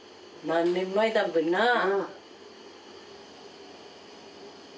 何年前だっべな。